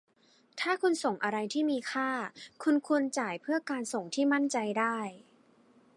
ถ้าคุณส่งอะไรที่มีค่า คุณควรจ่ายเพื่อการส่งที่มั่นใจได้